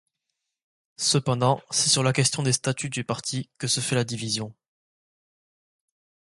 Cependant, c'est sur la question des statuts du parti que se fait la division.